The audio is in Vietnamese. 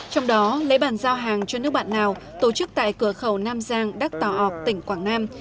trong đó lễ bàn giao hàng cho nước bạn nào tổ chức tại cửa khẩu nam giang đắc tòa ốc tỉnh quảng nam